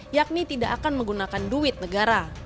yakni tidak akan menggunakan duit negara